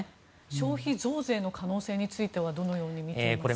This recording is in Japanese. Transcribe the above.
消費増税の可能性についてはどのように見ていますか？